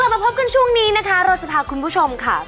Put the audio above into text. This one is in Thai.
มาพบกันช่วงนี้นะคะเราจะพาคุณผู้ชมค่ะ